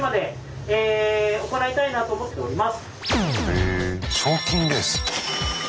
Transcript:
へぇ賞金レース。